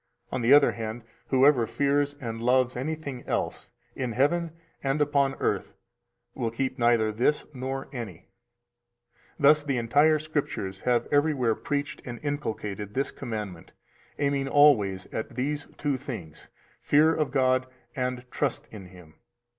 On the other hand, whoever fears and loves anything else in heaven and upon earth will keep neither this nor any. 325 Thus the entire Scriptures have everywhere preached and inculcated this commandment, aiming always at these two things: fear of God and trust in Him.